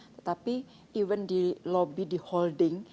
tetapi even di lobby di holding